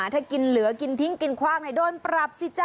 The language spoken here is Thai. ถ้ากินเหลือกินทิ้งกินคว่างไหนโดนปรับสิจ๊